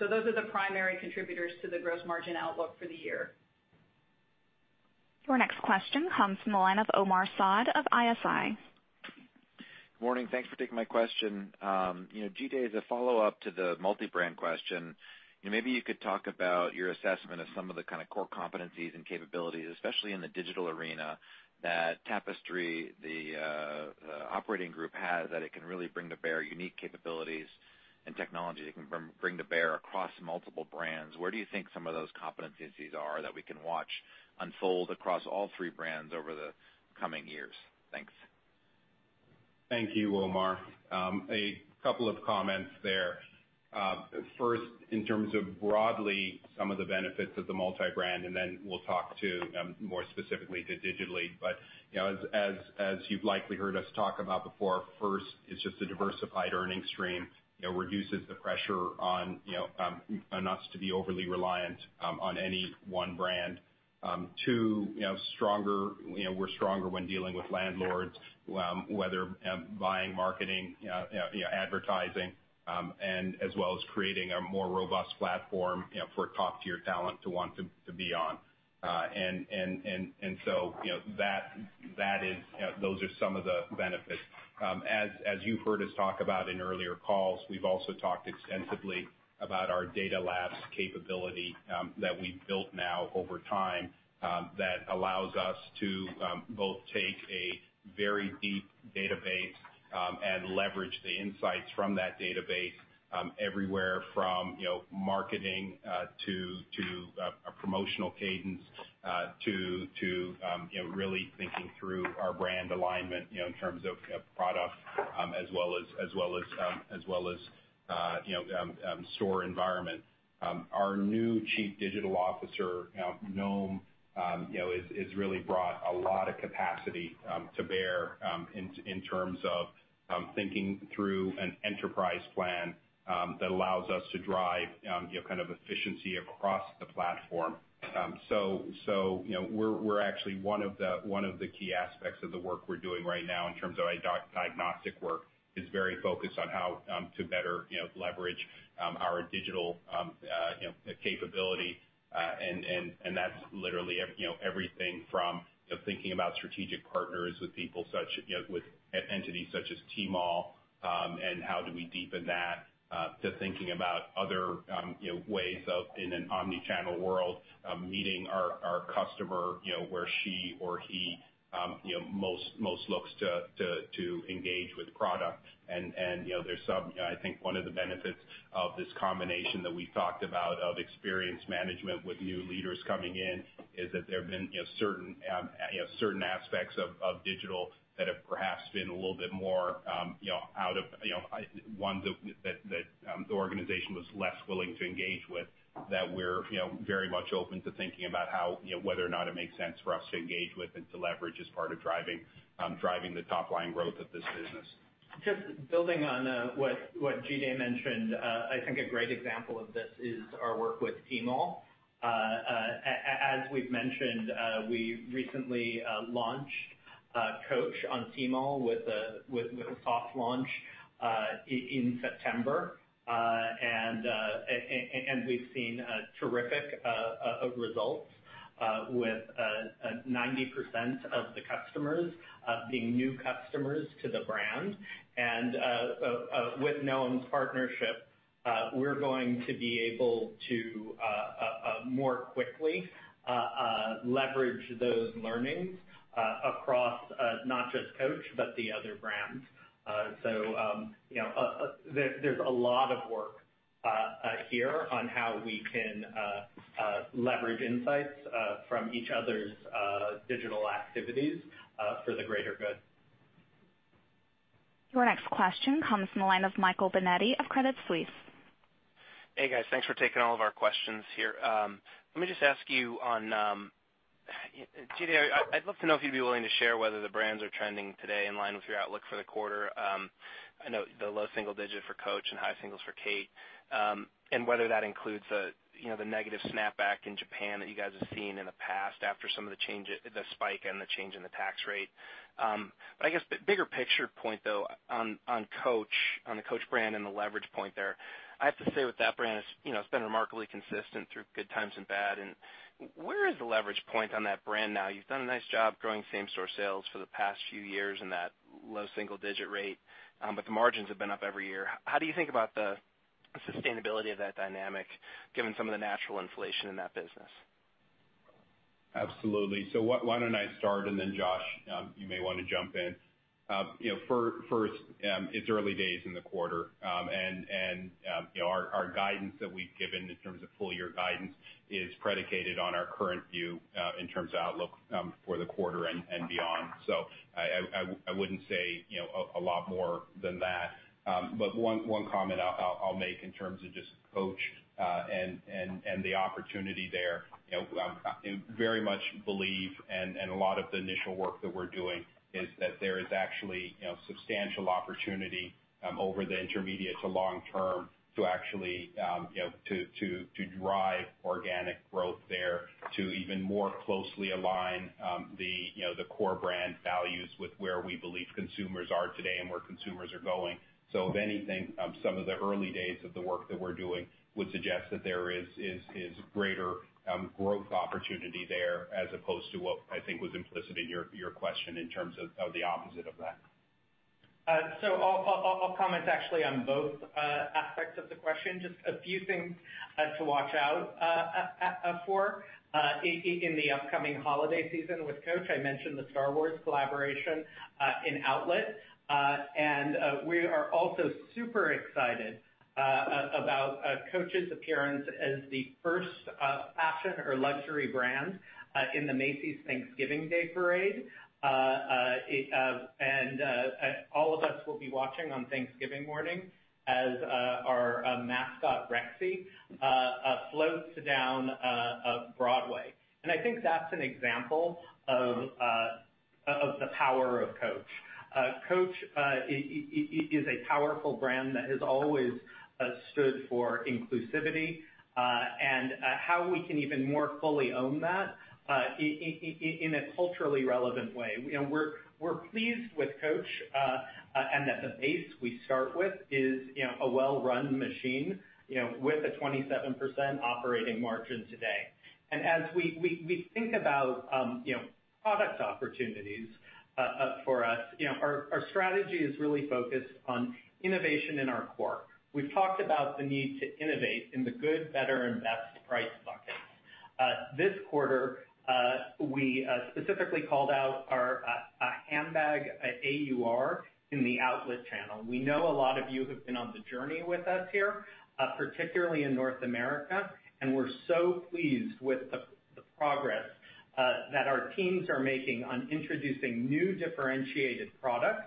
Those are the primary contributors to the gross margin outlook for the year. Your next question comes from the line of Omar Saad of ISI. Good morning. Thanks for taking my question. Jide, as a follow-up to the multi-brand question, maybe you could talk about your assessment of some of the kind of core competencies and capabilities, especially in the digital arena, that Tapestry, the operating group has, that it can really bring to bear unique capabilities and technology that it can bring to bear across multiple brands. Where do you think some of those competencies are that we can watch unfold across all three brands over the coming years? Thanks. Thank you, Omar. A couple of comments there. First, in terms of broadly some of the benefits of the multi-brand, then we'll talk to more specifically to digitally. As you've likely heard us talk about before, first, it's just a diversified earnings stream. Two, we're stronger when dealing with landlords, whether buying, marketing, advertising, and as well as creating a more robust platform for top-tier talent to want to be on. Those are some of the benefits. As you've heard us talk about in earlier calls, we've also talked extensively about our Data Labs capability that we've built now over time that allows us to both take a very deep database and leverage the insights from that database everywhere from marketing to a promotional cadence to really thinking through our brand alignment in terms of product as well as store environment. Our new chief digital officer, Noam, has really brought a lot of capacity to bear in terms of thinking through an enterprise plan that allows us to drive efficiency across the platform. Actually one of the key aspects of the work we're doing right now in terms of diagnostic work is very focused on how to better leverage our digital capability. That's literally everything from thinking about strategic partners with entities such as Tmall, and how do we deepen that, to thinking about other ways of, in an omni-channel world, meeting our customer where she or he most looks to engage with product. I think one of the benefits of this combination that we talked about of experience management with new leaders coming in is that there have been certain aspects of digital that have perhaps a little bit more ones that the organization was less willing to engage with, that we're very much open to thinking about whether or not it makes sense for us to engage with and to leverage as part of driving the top-line growth of this business. Just building on what Jide mentioned. I think a great example of this is our work with Tmall. As we've mentioned, we recently launched Coach on Tmall with a soft launch in September. We've seen terrific results with 90% of the customers being new customers to the brand. With Noam's partnership, we're going to be able to more quickly leverage those learnings across not just Coach, but the other brands. There's a lot of work here on how we can leverage insights from each other's digital activities for the greater good. Your next question comes from the line of Michael Binetti of Credit Suisse. Hey, guys. Thanks for taking all of our questions here. Let me just ask you, Jide I'd love to know if you'd be willing to share whether the brands are trending today in line with your outlook for the quarter. I know the low single digit for Coach and high singles for Kate. Whether that includes the negative snapback in Japan that you guys have seen in the past after some of the spike and the change in the tax rate. I guess the bigger picture point though on the Coach brand and the leverage point there, I have to say with that brand, it's been remarkably consistent through good times and bad. Where is the leverage point on that brand now? You've done a nice job growing same-store sales for the past few years in that low single digit rate. The margins have been up every year. How do you think about the sustainability of that dynamic given some of the natural inflation in that business? Absolutely. Why don't I start, and then Josh, you may want to jump in. First, it's early days in the quarter. Our guidance that we've given in terms of full-year guidance is predicated on our current view, in terms of outlook for the quarter and beyond. I wouldn't say a lot more than that. One comment I'll make in terms of just Coach, and the opportunity there. I very much believe, and a lot of the initial work that we're doing is that there is actually substantial opportunity over the intermediate to long term to actually drive organic growth there, to even more closely align the core brand values with where we believe consumers are today and where consumers are going. If anything, some of the early days of the work that we're doing would suggest that there is greater growth opportunity there as opposed to what I think was implicit in your question in terms of the opposite of that. I'll comment actually on both aspects of the question. Just a few things to watch out for. In the upcoming holiday season with Coach, I mentioned the Star Wars collaboration in outlet. We are also super excited about Coach's appearance as the first fashion or luxury brand in the Macy's Thanksgiving Day Parade. All of us will be watching on Thanksgiving morning as our mascot, Rexy, floats down Broadway. I think that's an example of the power of Coach. Coach is a powerful brand that has always stood for inclusivity, and how we can even more fully own that in a culturally relevant way. We're pleased with Coach, and that the base we start with is a well-run machine with a 27% operating margin today. As we think about product opportunities for us, our strategy is really focused on innovation in our core. We've talked about the need to innovate in the good, better, and best price buckets. This quarter, we specifically called out our handbag AUR in the outlet channel. We know a lot of you have been on the journey with us here, particularly in North America, and we're so pleased with the progress that our teams are making on introducing new differentiated products.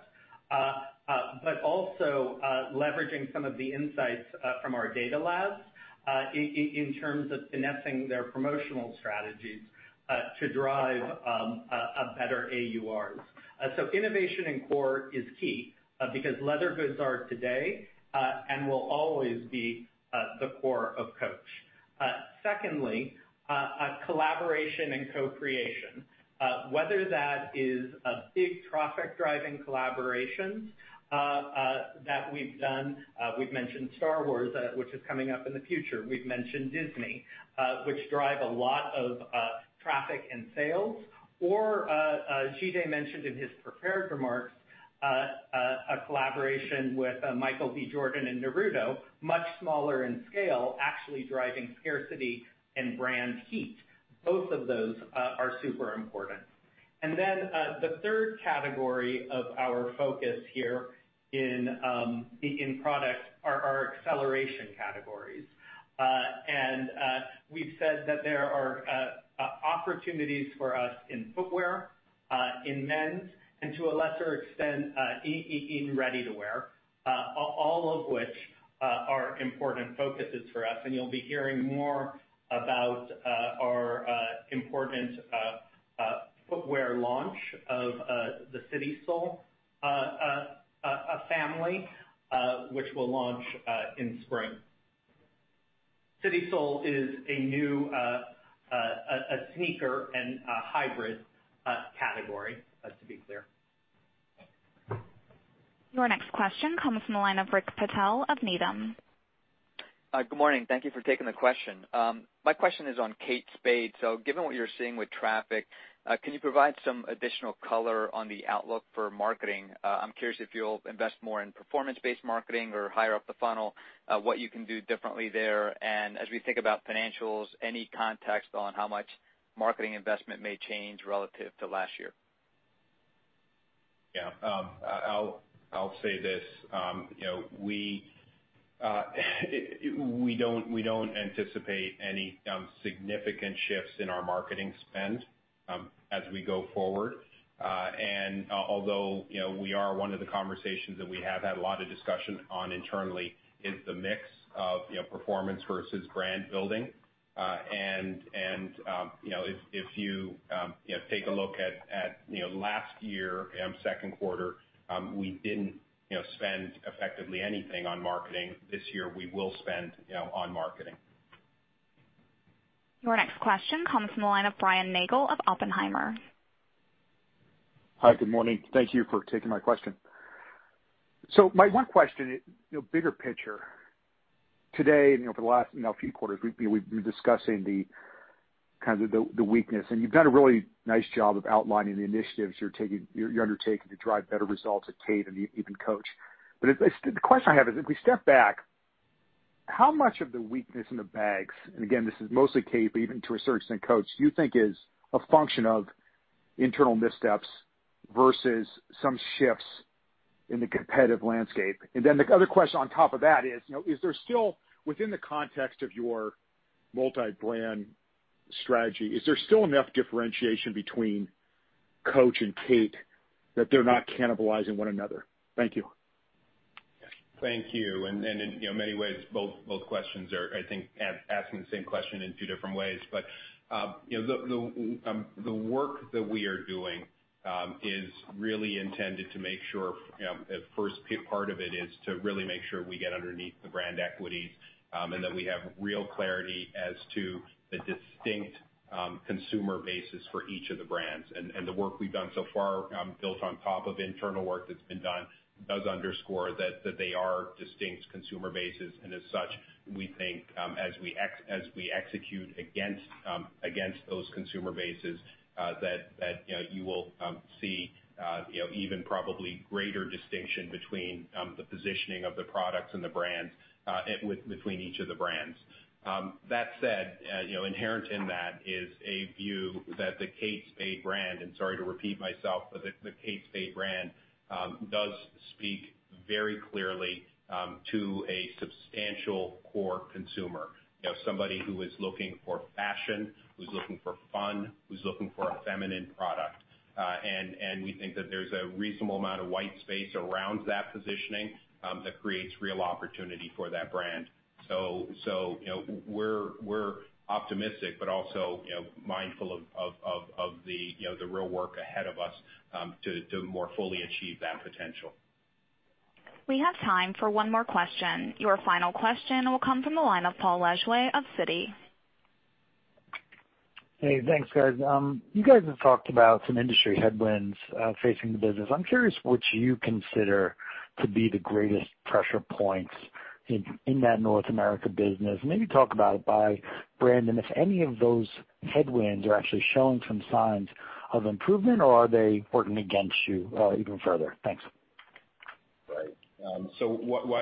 Also leveraging some of the insights from our Data Labs in terms of finessing their promotional strategies to drive better AURs. Innovation in core is key because leather goods are today, and will always be the core of Coach. Secondly, collaboration and co-creation. Whether that is a big traffic-driving collaboration that we've done. We've mentioned Star Wars, which is coming up in the future. We've mentioned Disney, which drive a lot of traffic and sales. As Jide mentioned in his prepared remarks, a collaboration with Michael B. Jordan and Naruto, much smaller in scale, actually driving scarcity and brand heat. Both of those are super important. The third category of our focus here in product are our acceleration categories. We've said that there are opportunities for us in footwear, in men's, and to a lesser extent, in ready-to-wear, all of which are important focuses for us. You'll be hearing more about our important footwear launch of the City Sole family which will launch in spring. City Sole is a sneaker and a hybrid category, to be clear. Your next question comes from the line of Rick Patel of Needham. Good morning. Thank you for taking the question. My question is on Kate Spade. Given what you're seeing with traffic, can you provide some additional color on the outlook for marketing? I'm curious if you'll invest more in performance-based marketing or higher up the funnel, what you can do differently there, and as we think about financials, any context on how much marketing investment may change relative to last year? Yeah. I'll say this. We don't anticipate any significant shifts in our marketing spend as we go forward. Although one of the conversations that we have had a lot of discussion on internally is the mix of performance versus brand building. If you take a look at last year, second quarter, we didn't spend effectively anything on marketing. This year, we will spend on marketing. Your next question comes from the line of Brian Nagel of Oppenheimer. Hi, good morning. Thank you for taking my question. My one question, bigger picture. Today and over the last few quarters, we've been discussing the weakness, and you've done a really nice job of outlining the initiatives you're undertaking to drive better results at Kate and even Coach. The question I have is, if we step back, how much of the weakness in the bags, and again, this is mostly Kate, but even to a certain extent, Coach, do you think is a function of internal missteps versus some shifts in the competitive landscape? The other question on top of that is, within the context of your multi-brand strategy, is there still enough differentiation between Coach and Kate that they're not cannibalizing one another? Thank you. Thank you. In many ways, both questions are, I think, asking the same question in two different ways. The work that we are doing is really intended to make sure, first part of it is to really make sure we get underneath the brand equities and that we have real clarity as to the distinct consumer bases for each of the brands. The work we've done so far, built on top of internal work that's been done, does underscore that they are distinct consumer bases. As such, we think, as we execute against those consumer bases, that you will see even probably greater distinction between the positioning of the products and between each of the brands. That said, inherent in that is a view that the Kate Spade brand, and sorry to repeat myself, but the Kate Spade brand does speak very clearly to a substantial core consumer, somebody who is looking for fashion, who's looking for fun, who's looking for a feminine product. We think that there's a reasonable amount of white space around that positioning that creates real opportunity for that brand. We're optimistic, but also mindful of the real work ahead of us to more fully achieve that potential. We have time for one more question. Your final question will come from the line of Paul Lejuez of Citi. Hey, thanks, guys. You guys have talked about some industry headwinds facing the business. I'm curious what you consider to be the greatest pressure points in that North America business. Maybe talk about it by brand, and if any of those headwinds are actually showing some signs of improvement, or are they working against you even further? Thanks. Right. The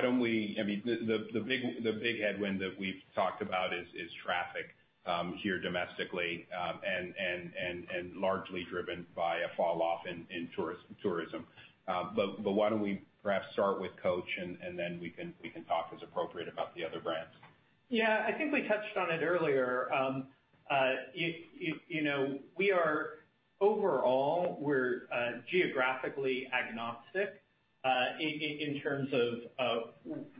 big headwind that we've talked about is traffic here domestically, and largely driven by a falloff in tourism. Why don't we perhaps start with Coach, and then we can talk as appropriate about the other brands. Yeah. I think we touched on it earlier. Overall, we're geographically agnostic in terms of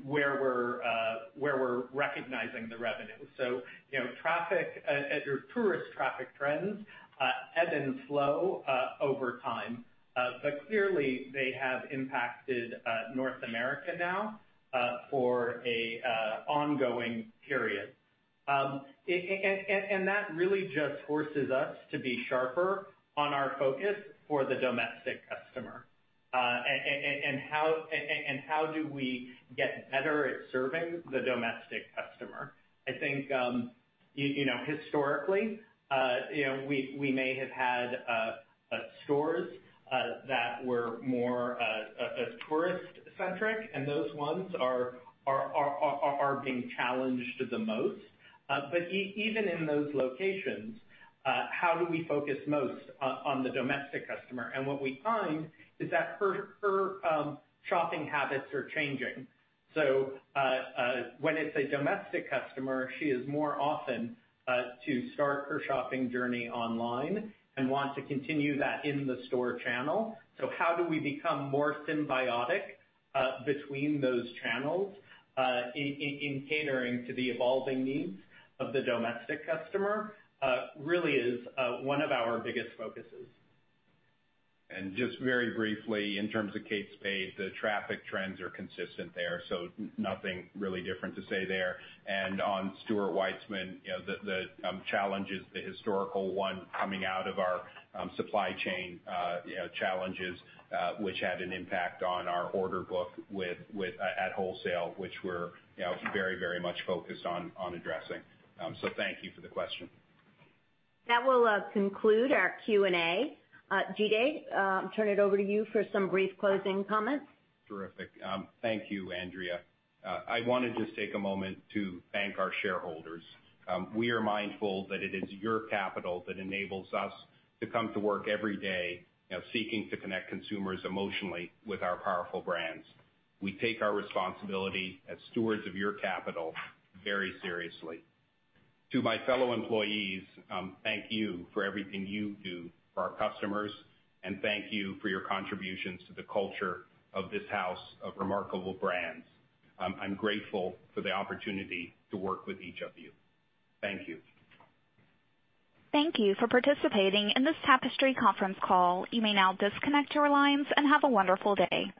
where we're recognizing the revenue. Tourist traffic trends ebb and flow over time. Clearly, they have impacted North America now for an ongoing period. That really just forces us to be sharper on our focus for the domestic customer, and how do we get better at serving the domestic customer. I think historically, we may have had stores that were more tourist centric, and those ones are being challenged the most. Even in those locations, how do we focus most on the domestic customer? What we find is that her shopping habits are changing. When it's a domestic customer, she is more often to start her shopping journey online and want to continue that in the store channel. How do we become more symbiotic between those channels in catering to the evolving needs of the domestic customer really is one of our biggest focuses. Just very briefly, in terms of Kate Spade, the traffic trends are consistent there, so nothing really different to say there. On Stuart Weitzman, the challenges, the historical one coming out of our supply chain challenges, which had an impact on our order book at wholesale, which we're very much focused on addressing. Thank you for the question. That will conclude our Q&A. Jide, turn it over to you for some brief closing comments. Terrific. Thank you, Andrea. I want to just take a moment to thank our shareholders. We are mindful that it is your capital that enables us to come to work every day seeking to connect consumers emotionally with our powerful brands. We take our responsibility as stewards of your capital very seriously. To my fellow employees, thank you for everything you do for our customers, and thank you for your contributions to the culture of this house of remarkable brands. I'm grateful for the opportunity to work with each of you. Thank you. Thank you for participating in this Tapestry conference call. You may now disconnect your lines and have a wonderful day.